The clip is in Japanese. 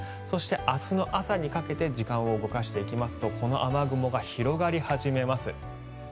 そして明日の朝にかけて時間を動かしていきますとこの雨雲が広がり始めます。